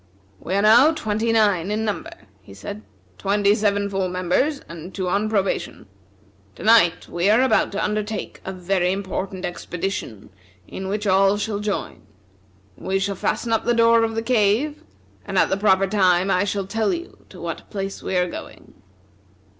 "We are now twenty nine in number," he said; "twenty seven full members, and two on probation. To night we are about to undertake a very important expedition, in which we shall all join. We shall fasten up the door of the cave, and at the proper time I shall tell you to what place we are going."